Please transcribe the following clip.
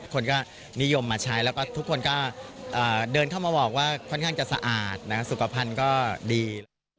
คนก็นิยมมาใช้แล้วก็ทุกคนก็เดินเข้ามาบอกว่าค่อนข้างจะสะอาดสุขภัณฑ์ก็ดี